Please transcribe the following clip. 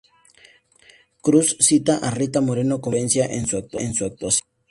Cruz cita a Rita Moreno como una influencia en su actuación.